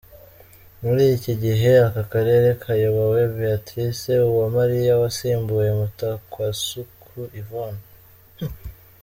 Muri iki gihe aka karere kayobowe Béatrice Uwamariya wasimbuye Mutakwasuku Yvonne.